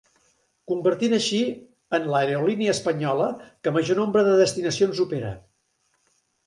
Convertint així, en l'aerolínia espanyola que major nombre de destinacions opera.